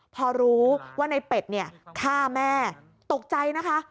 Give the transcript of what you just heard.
พอรู้ว่าในเป็ดเนี่ยฆ่าแม่ตกใจนะคะ